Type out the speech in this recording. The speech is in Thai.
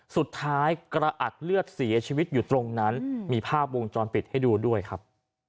สุดท้ายกระอัดเลือดเสียชีวิตอยู่ตรงนั้นมีภาพวงจรปิดให้ดูด้วยครับ